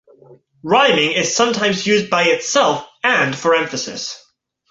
Rhyming is sometimes used by itself and for emphasis.